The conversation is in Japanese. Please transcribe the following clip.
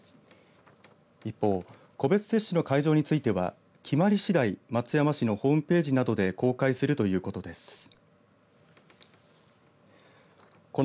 一方、個別接種の会場については決まりしだい松山市のホームページなどで公開するということです。